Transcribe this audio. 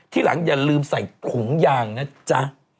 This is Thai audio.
ที่หลังอย่าลืมใส่ถุงยางนะจ๊ะ